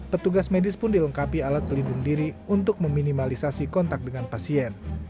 petugas medis pun dilengkapi alat pelindung diri untuk meminimalisasi kontak dengan pasien